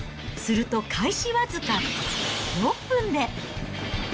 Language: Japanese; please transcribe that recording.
すると開始僅か６分で。